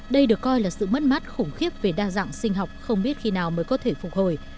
đây được coi là sự mất mát khủng khiếp về đa dạng sinh học không biết khi nào mới có thể phục hồi